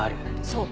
そう。